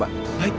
baik pak ustadz